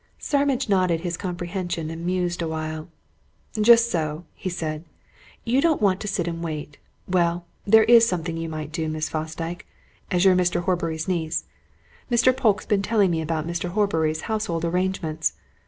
Starmidge nodded his comprehension and mused a while. "Just so!" he said. "You don't want to sit and wait. Well, there is something you might do, Miss Fosdyke, as you're Mr. Horbury's niece. Mr. Polke's been telling me about Mr. Horbury's household arrangements.